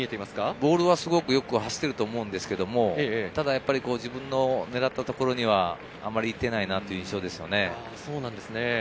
ボールは走ってると思いますけど、ただ自分の狙ったところにはあまり行っていないなという印象です。